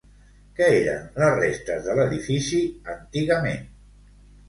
Què eren les restes de l'edifici antigament?